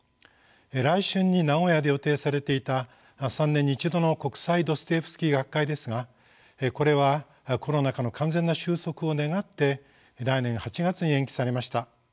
来春に名古屋で予定されていた３年に一度の国際ドストエフスキー学会ですがこれはコロナ禍の完全な終息を願って来年８月に延期されました。